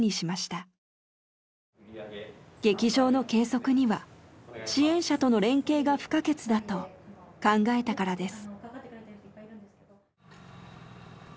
劇場の継続には支援者との連携が不可欠だと考えたからです。